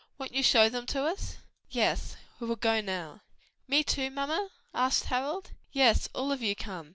Won't you show them to us?" "Yes, we will go now." "Me too, mamma?" asked Harold. "Yes, all of you come.